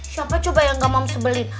siapa coba yang gak mam sebelin